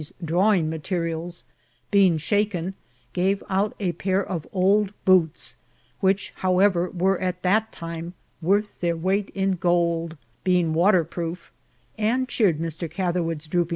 's drawing materials, being shaken, gave out a pair of old boots, which, how* ever, were at that time worth their weight in gold, b^ ing water proof, and cheered Mr. Catherwood's droop VISIT FROM THE ALCALDS.